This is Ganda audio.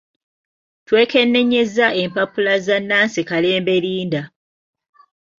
Twekenneenyezza empapula za Nancy Kalembe Linda.